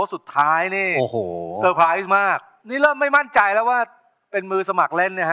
สุดท้ายนี่โอ้โหเซอร์ไพรส์มากนี่เริ่มไม่มั่นใจแล้วว่าเป็นมือสมัครเล่นเนี่ยฮะ